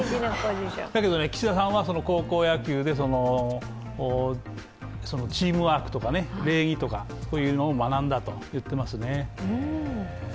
だけど岸田さんは高校野球でチームワークとか礼儀とかというのを学んだと言ってますね。